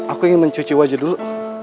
aku ingin mencuci wajah dulu